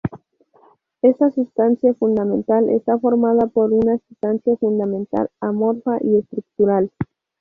Esta sustancia fundamental está formada por una sustancia fundamental "amorfa" y "estructural".